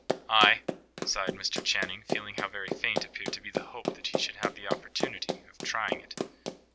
"Ay!" sighed Mr. Channing, feeling how very faint appeared to be the hope that he should have the opportunity of trying it.